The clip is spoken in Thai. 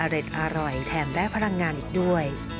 อร่อยแถมได้พลังงานอีกด้วย